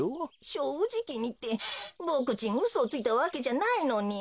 「しょうじきに」ってボクちんうそをついたわけじゃないのに。